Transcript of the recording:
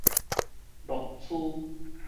落趨